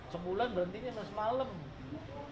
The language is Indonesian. sebulan berhentinya sesmalem